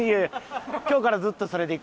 今日からずっとそれでいく。